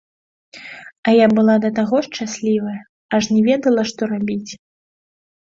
А я была да таго шчаслівая, аж не ведала, што рабіць.